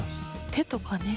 手とかね。